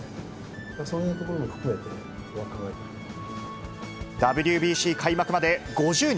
そういうところも含めて、ＷＢＣ開幕まで５０日。